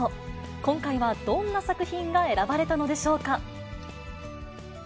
今回はどんな作品が選ばれたのでしょうか。